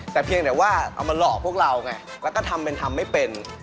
แต่เพียงแต่ว่าเอามาหลอกพวกเราไงแล้วก็ทำเป็นทำไม่เป็น